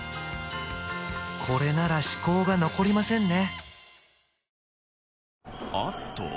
これなら歯垢が残りませんね